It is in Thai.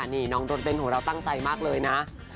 นี่น้องรถเบ้นของเราตั้งใจมากเลยนะ